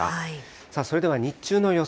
さあ、それでは日中の予想